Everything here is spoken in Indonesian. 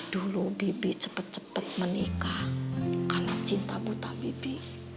dulu bibi cepet cepet menikah karena cinta buta bibi